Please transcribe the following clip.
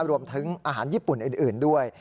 รวมถึงอาหารญี่ปุ่นอื่นด้วย